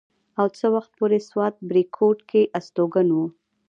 او څه وخته پورې سوات بريکوت کښې استوګن وو